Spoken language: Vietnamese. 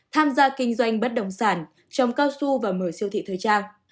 tham gia kinh doanh bất động sản trồng cao su và mở siêu thị thời trang